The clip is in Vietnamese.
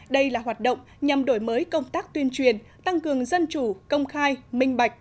đây là hoạt động nhằm đổi mới công tác tuyên truyền tăng cường dân chủ công khai minh bạch